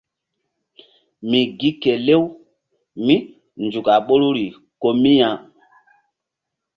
Mi gi ke lew mínzuk a ɓoruri ko mi ya.